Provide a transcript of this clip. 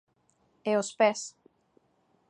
E os pés.